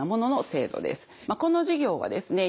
まあこの事業はですね